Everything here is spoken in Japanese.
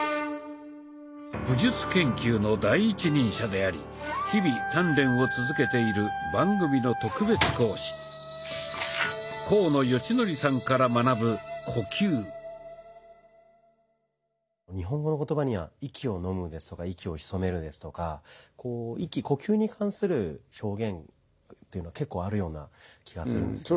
武術研究の第一人者であり日々鍛錬を続けている番組の特別講師日本語の言葉には「息をのむ」ですとか「息を潜める」ですとかこう息呼吸に関する表現というのが結構あるような気がするんですけど。